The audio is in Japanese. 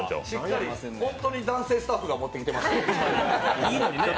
本当に男性スタッフが持ってきています。